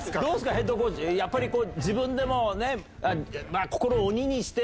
ヘッドコーチやっぱり自分でも。